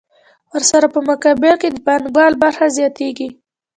ورسره په مقابل کې د پانګوال برخه زیاتېږي